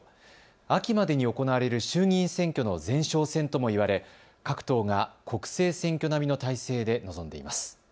秋までに行われる衆議院選挙の前哨戦とも言われ各党が国政選挙並みの態勢で臨んでいます。